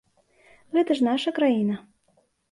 Гэта ж наша краіна.